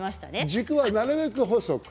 軸はなるべく細く。